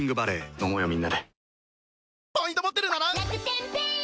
飲もうよみんなで。